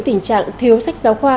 tình trạng thiếu sách giáo khoa